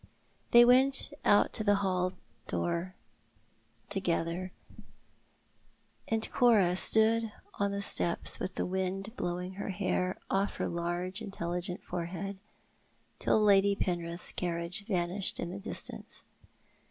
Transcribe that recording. They went out to the hall door together, and Cora stood on the steps with the wind blowing her hair off her large intelligent forehead, till Lady Penrith's carriage vanished in the distance.